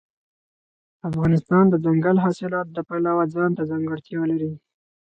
افغانستان د دځنګل حاصلات د پلوه ځانته ځانګړتیا لري.